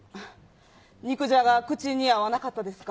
肉じゃが、口に合わなかったですか。